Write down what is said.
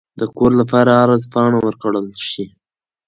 د کور لپاره عرض پاڼه ورکړل شي.